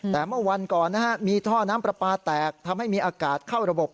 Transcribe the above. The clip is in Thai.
แต่เมื่อวันก่อนนะฮะมีท่อน้ำปลาปลาแตกทำให้มีอากาศเข้าระบบ